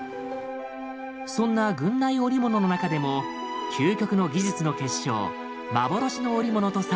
そんな郡内織物の中でも究極の技術の結晶幻の織物とされるのが。